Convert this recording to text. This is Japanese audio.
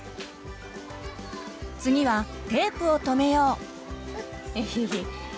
次はテープを留めよう！